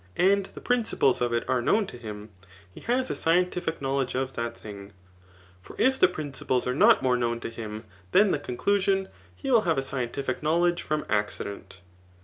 Digitized by Godgle CHAP* IV. ETHfCS. 215 the principles of it are known to him, he has a sciendfic knowledge of that thmg. For if the principles are not more known to him than the conclusion, he will have a scientific knowledge from accident.